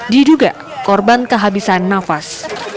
diduga korban kehabisan nafas